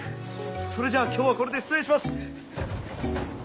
それじゃあ今日はこれで失礼します。